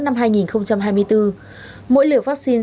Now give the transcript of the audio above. năm hai nghìn hai mươi bốn mỗi liều vaccine